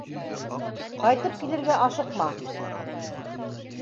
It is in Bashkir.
Ҡайтып килергә ашыҡма.